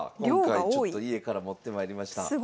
今回ちょっと家から持ってまいりました。